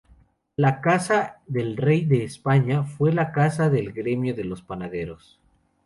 La "Casa del Rey de España" fue la casa del gremio de los panaderos.